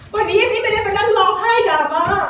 วันนี้พี่ไม่ได้มานั่งร้องไห้ดราม่า